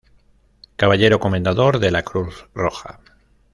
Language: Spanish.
Caballero Comendador de la Cruz Roja.